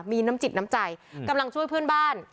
มีน้ำจิตน้ำใจกำลังช่วยเพื่อนบ้าน